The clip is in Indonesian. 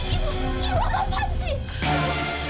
ibu apaan sih